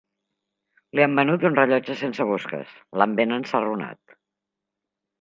Li han venut un rellotge sense busques: l'han ben ensarronat!